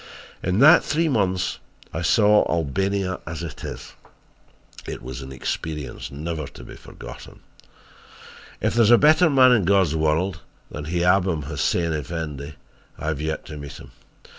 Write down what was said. "In that three months I saw Albania as it is it was an experience never to be forgotten! "If there is a better man in God's world than Hiabam Hussein Effendi, I have yet to meet him.